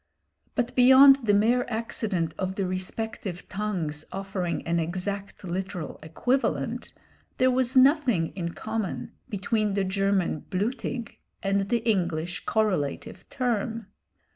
But beyond the mere accident of the respective tongues offering an exact literal equivalent, there was nothing in common between the German "blutig" and the English correlative term.